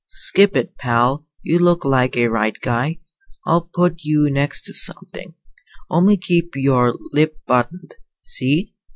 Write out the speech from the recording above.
"Skip it, pal. You look like a right guy. I'll put you next to somethin'. Only keep your lip buttoned, see?"